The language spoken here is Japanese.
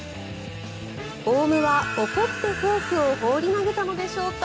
オウムは怒って、フォークを放り投げたのでしょうか。